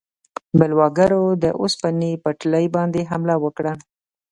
بلواګرو د اوسپنې پټلۍ باندې حمله وکړه.